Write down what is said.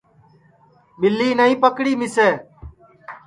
ٻیلی نائی پکڑی مِسے